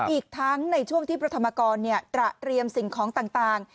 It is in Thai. อีกทั้งในช่วงที่พระธรรมกรตระเตรียมสิ่งของต่าง